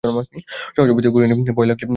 সহজ অবস্থায় করি নে, ভয় লাগলেই করি।